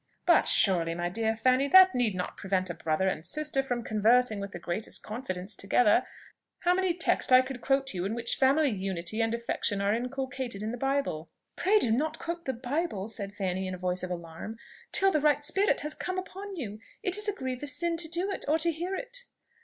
"But surely, my dear Fanny, that need not prevent a brother and sister from conversing with the greatest confidence together. How many texts I could quote you in which family unity and affection are inculcated in the Bible!" "Pray do not quote the Bible," said Fanny in a voice of alarm, "till the right spirit has come upon you. It is a grievous sin to do it, or to hear it."